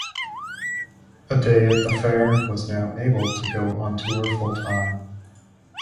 A Day at the Fair was now able to go on tour full-time.